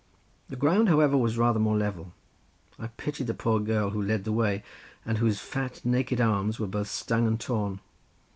The ground, however, was rather more level. I pitied the poor girl who led the way and whose fat naked arms were both stung and torn.